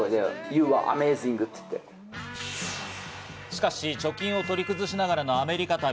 しかし貯金を取り崩しながらのアメリカ旅。